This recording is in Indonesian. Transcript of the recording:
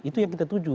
itu yang kita tuju